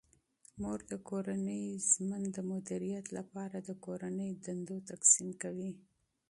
مور د کورني ژوند د مدیریت لپاره د کورني دندو تقسیم کوي.